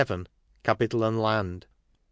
Capital and Land. 5.